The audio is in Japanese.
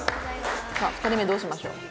さあ２人目どうしましょう？